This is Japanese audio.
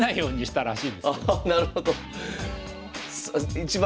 ああなるほど。